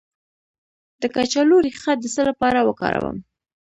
د کچالو ریښه د څه لپاره وکاروم؟